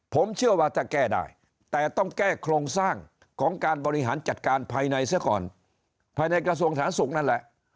ผมเชื่อว่าถ้าแก้ได้แต่ต้องแก้โครงสร้างของการบริหารจัดการภายในเสียก่อนภายในกระทรวงสาธารณสุขนั่นแหละ